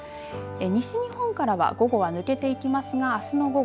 西日本からは午後は抜けていきますがあすの午後